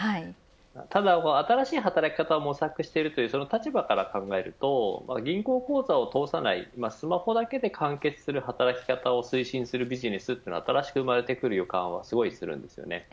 ただ、新しい働き方を模索している立場から考えると銀行口座を通さないスマホだけで完結する働き方を推進するビジネスというのが新しく生まれてくる予感はします。